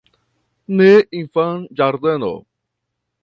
Ne infanĝardeno.